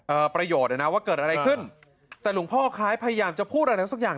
ประโยชน์อ่ะนะว่าเกิดอะไรขึ้นแต่หลวงพ่อคล้ายพยายามจะพูดอะไรสักอย่าง